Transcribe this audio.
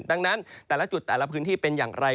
ดังนั้นแต่ละจุดแต่ละพื้นที่เป็นอย่างไร